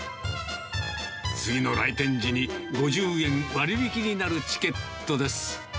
次の来店時に５０円割引になるチケットです。